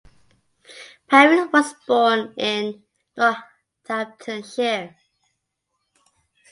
Powys was born in Northamptonshire.